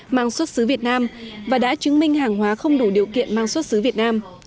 mang xuất xứ việt nam và đã chứng minh hàng hóa không đủ điều kiện mang xuất xứ việt nam